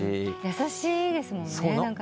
優しいですもんね？